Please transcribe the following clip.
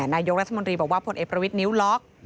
นายกรัฐมนตรีบอกว่าผลเอกประวิทนิ้วล็อก